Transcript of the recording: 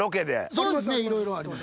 そうですねいろいろあります。